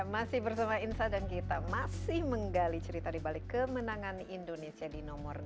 masih bersama insa dan kita masih menggali cerita di balik kemenangan indonesia di nomor enam